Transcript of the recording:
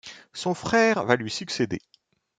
Son frère, va lui succéder.